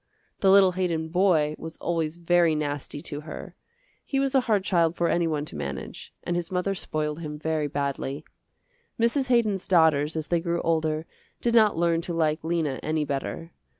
The little Haydon boy was always very nasty to her. He was a hard child for any one to manage, and his mother spoiled him very badly. Mrs. Haydon's daughters as they grew older did not learn to like Lena any better.